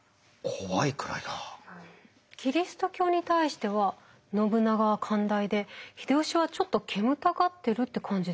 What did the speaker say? キリスト教に対しては信長は寛大で秀吉はちょっと煙たがってるって感じでしょうか？